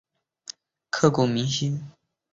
如此刻骨铭心